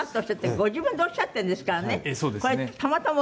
ご本人がおっしゃっているんですから。